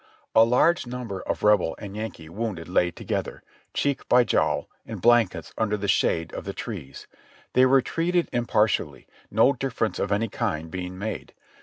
A large number of Rebel and Yankee wounded lay together, cheek by jowl, in blankets under the shade of the trees. They were treated impartially, no difference of any kind being made.